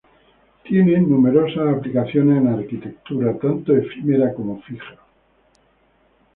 Tienen numerosas aplicaciones en arquitectura, tanto efímera como fija.